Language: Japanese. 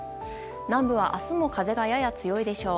南部は明日も風がやや強いでしょう。